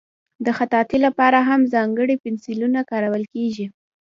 د خطاطۍ لپاره هم ځانګړي پنسلونه کارول کېږي.